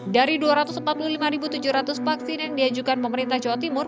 dari dua ratus empat puluh lima tujuh ratus vaksin yang diajukan pemerintah jawa timur